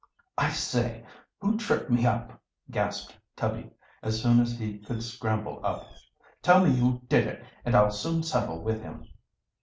"I say, who tripped me up!" gasped Tubbs, as soon as he could scramble up. "Tell me who did it, and I'll soon settle with him."